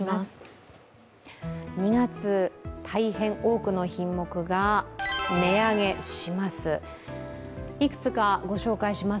２月、大変多くの品目が値上げします。